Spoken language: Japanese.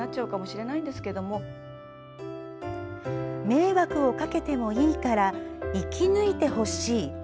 迷惑をかけてもいいから生き抜いてほしい。